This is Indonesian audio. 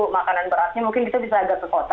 makanan berasnya mungkin kita bisa agak ke kota